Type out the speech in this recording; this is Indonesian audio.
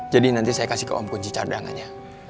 jadi nanti saya kasih ke om kunci cardangannya